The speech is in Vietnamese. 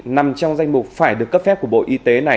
nằm trong danh mục phải được cấp phép của bộ y tế này